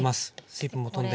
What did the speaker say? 水分も飛んで。